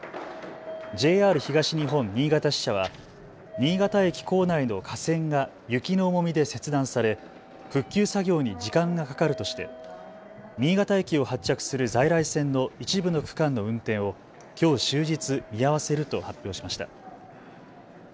ＪＲ東日本新潟支社は新潟駅構内の架線が雪の重みで切断され復旧作業に時間がかかるとして新潟駅を発着する在来線の一部の区間の運転をきょう終日、見合わせると発表しました。